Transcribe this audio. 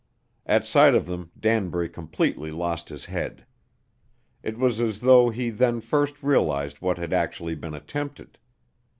At sight of them Danbury completely lost his head. It was as though he then first realized what had actually been attempted.